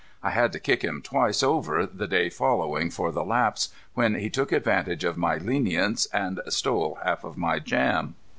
I had to kick him twice over the day following for the lapse, when he took advantage of my lenience and stole half of my jam.